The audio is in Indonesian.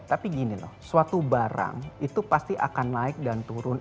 tapi gini loh suatu barang itu pasti akan naik dan turun